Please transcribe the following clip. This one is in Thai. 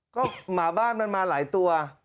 ก็หมาบ้านมันมาหลายตัว